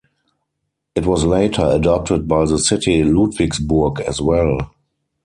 It was later adopted by the city Ludwigsburg as well.